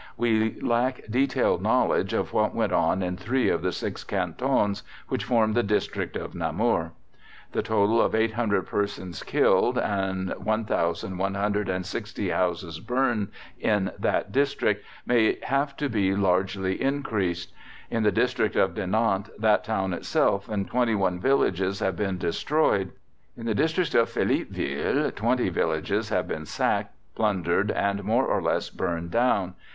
We lack detailed knowledge of what went on in three of the six cantons which form the district of Namur. The total of 800 persons killed and 1,160 houses burned in that district may have to be largely increased. In the district of Dinant, that town itself and 21 villages have been destroyed. In the district of Philippeville 20 villages have been sacked, plundered, and more or less burned down.